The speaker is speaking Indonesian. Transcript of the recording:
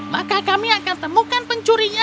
maka kami akan temukan pencurinya